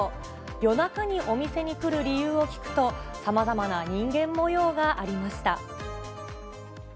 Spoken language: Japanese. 夜中にお店に来る理由を聞くと、さまざまな人間もようがありました。